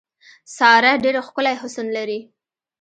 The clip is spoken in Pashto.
ساره ډېر ښکلی حسن لري.